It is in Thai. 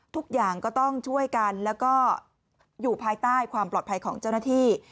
ทุกอย่างก็ต้องช่วยกันแล้วก็อยู่ภายใต้ความปลอดภัยของเจ้าหน้าที่